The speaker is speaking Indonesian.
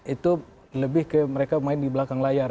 itu lebih ke mereka main di belakang layar